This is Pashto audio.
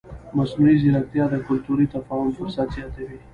مصنوعي ځیرکتیا د کلتوري تفاهم فرصت زیاتوي.